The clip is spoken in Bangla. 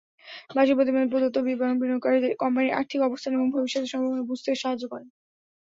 বার্ষিক প্রতিবেদনে প্রদত্ত বিবরণ বিনিয়োগকারীদের কোম্পানির আর্থিক অবস্থান এবং ভবিষ্যতের সম্ভবনা বুঝতে সাহায্য করে।